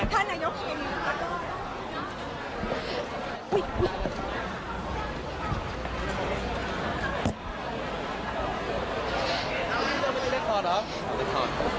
ท่านนายยก